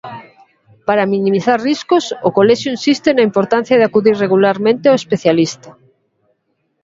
Para minimizar riscos, o Colexio insiste na importancia de acudir regulamente ao especialista.